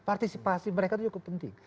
partisipasi mereka itu cukup penting